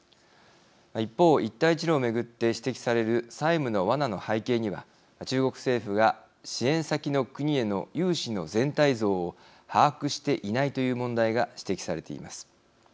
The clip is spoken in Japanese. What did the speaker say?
一方一帯一路を巡って指摘される債務のワナの背景には中国政府が支援先の国への融資の全体像を把握していないという問題が指摘されています。